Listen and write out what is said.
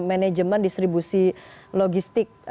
manajemen distribusi logistik